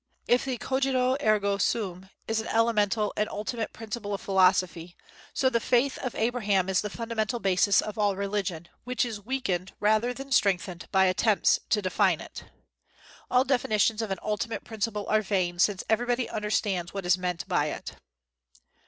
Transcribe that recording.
If the Cogito, ergo sum, is an elemental and ultimate principle of philosophy, so the faith of Abraham is the fundamental basis of all religion, which is weakened rather than strengthened by attempts to define it. All definitions of an ultimate principle are vain, since everybody understands what is meant by it.